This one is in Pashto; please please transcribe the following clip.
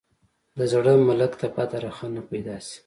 د زړه ملک ته بده رخنه پیدا شي.